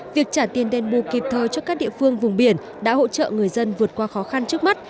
việc trả tiền đền bù kịp thời cho các địa phương vùng biển đã hỗ trợ người dân vượt qua khó khăn trước mắt